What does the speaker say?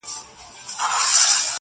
مشر ورور ویل دا هیڅ نه سي کېدلای -